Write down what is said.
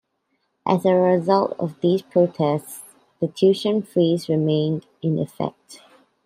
As a result of these protests, the tuition freeze remained in effect.